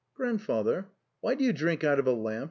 '" Grandfather, why do you drink out of a lamp?"